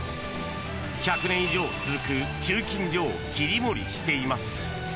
１００年以上続く鋳金所を切り盛りしています。